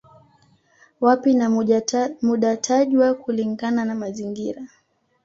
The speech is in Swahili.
Wapi na muda tajwa kulingana na mazingira